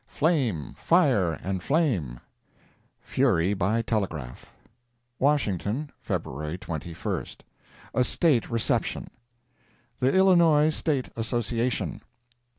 "Flame, Fire and Flame"—Fury by Telegraph. WASHINGTON, Feb. 21. A State Reception. THE ILLINOIS STATE ASSOCIATION.